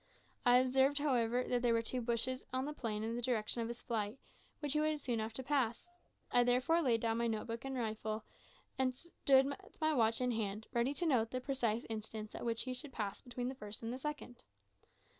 I observed, however, that there were two bushes on the plain in the direction of his flight, which he would soon have to pass. I therefore laid down my note book and rifle, and stood with my watch in hand, ready to note the precise instants at which he should pass the first and second.